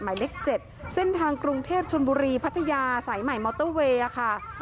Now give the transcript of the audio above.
หมายเลข๗เส้นทางกรุงเทพชนบุรีพัทยาสายใหม่มอเตอร์เวย์ค่ะ